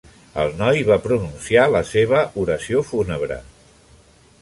El noi va pronunciar la seva oració fúnebre.